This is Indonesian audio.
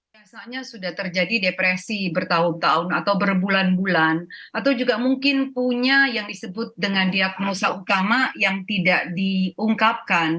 biasanya sudah terjadi depresi bertahun tahun atau berbulan bulan atau juga mungkin punya yang disebut dengan diagnosa utama yang tidak diungkapkan